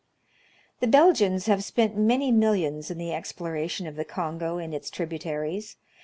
The Belgians have spent many millions in the exploration of the Kongo and its tributaries.